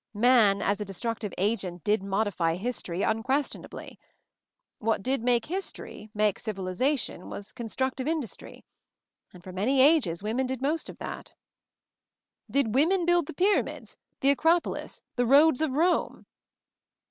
Man, as a destructive agent did modify history, un questionably. What did make history, make civilization, was constructive industry. And for many ages women did most of that." "Did women build the Pyramids? the Acropolis? the Roads of Rome?"